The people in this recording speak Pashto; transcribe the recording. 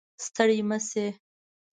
ستړې مه شئ